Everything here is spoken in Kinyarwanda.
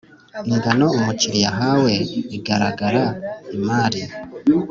ingano umukiriya ahawe igaragara imari